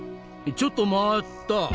ちょっと待った！